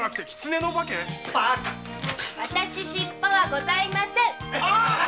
私シッポはございません